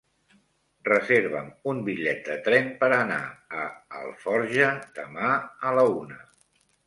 Reserva'm un bitllet de tren per anar a Alforja demà a la una.